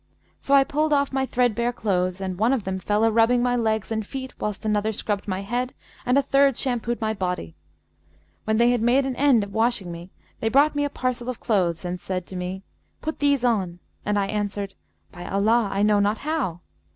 So I pulled off my threadbare clothes and one of them fell a rubbing my legs and feet whilst another scrubbed my head and a third shampooed my body. When they had made an end of washing me, they brought me a parcel of clothes and said to me, 'Put these on'; and I answered, 'By Allah, I know not how!'